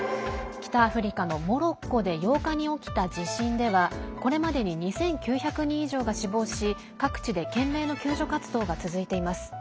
北アフリカのモロッコで８日に起きた地震ではこれまでに２９００人以上が死亡し各地で懸命の救助活動が続いています。